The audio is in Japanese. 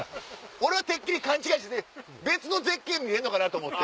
俺はてっきり勘違いしてて別の絶景見えるのかと思って。